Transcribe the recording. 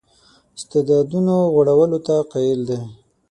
استعدادونو غوړولو ته قایل دی.